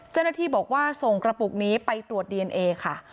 เจ้าหน้าที่บอกว่าส่งกระปุกนี้ไปตรวจดีเอนเอค่ะ